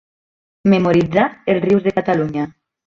Memoritzar els rius de Catalunya.